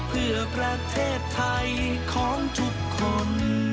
เพื่อประเทศไทยของทุกคน